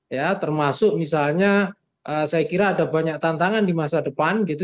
ya termasuk misalnya saya kira ada banyak tantangan di masa depan gitu